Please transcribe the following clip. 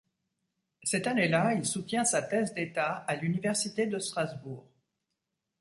Cette année-là, il soutient sa thèse d'État à l'université de Strasbourg.